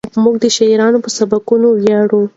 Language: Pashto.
موږ د شاعرانو په سبکونو ویاړو.